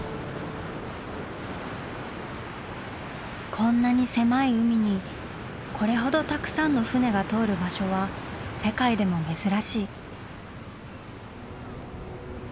こんなに狭い海にこれほどたくさんの船が通る場所は世界でも珍しい。